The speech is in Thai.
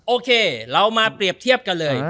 โอเคเรามาเปรียบเทียบกันเลย